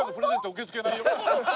受け付けないよ。